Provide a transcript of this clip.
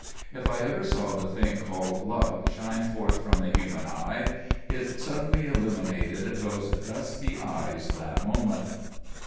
If I ever saw the thing called Love shine forth from the human eyes, it suddenly illuminated those dusky eyes that moment.